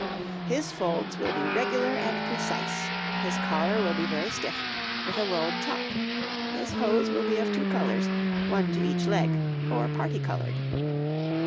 His folds will be regular and precise, his collar will be very stiff, with a rolled top; his hose will be of two colours, one to each leg, or parti coloured.